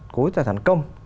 khối tài sản công